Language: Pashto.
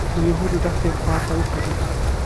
د یهودو دښتې خوا ته وخوځېدو.